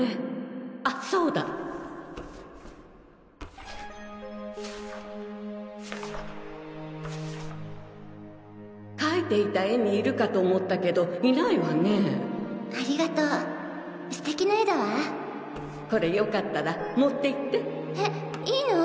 あそうだ！描いていた絵にいるかと思ったけどいありがとう素敵な絵だわこれよかったら持っていえいいの？